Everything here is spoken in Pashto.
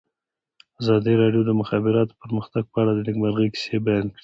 ازادي راډیو د د مخابراتو پرمختګ په اړه د نېکمرغۍ کیسې بیان کړې.